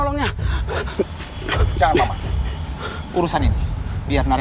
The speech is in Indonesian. itunya adalah para pembunuh dictatorship of haibara